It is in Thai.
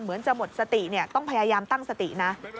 เหมือนจะหมดสติต้องพยายามตั้งสตินะ